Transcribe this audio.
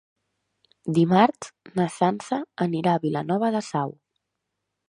Dimarts na Sança anirà a Vilanova de Sau.